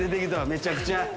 めちゃくちゃ。